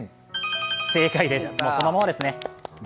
正解です、そのままですね。